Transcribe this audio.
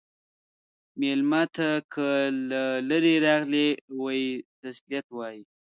مېلمه ته که له لرې راغلی وي، تسلیت وایه.